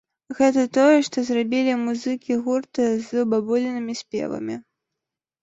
Гэта тое, што зрабілі музыкі гурта з бабулінымі спевамі.